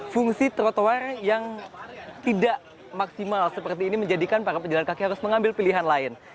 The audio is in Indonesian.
fungsi trotoar yang tidak maksimal seperti ini menjadikan para pejalan kaki harus mengambil pilihan lain